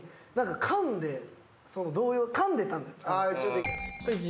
動揺かんでたんです。